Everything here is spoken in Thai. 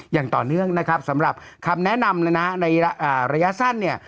อย่างต่อเนื่องนะครับสำหรับคำแนะนำเลยนะในระยะสั้นเนี่ย